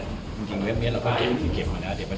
จริงเว็บนี้เราก็เก็บมานาน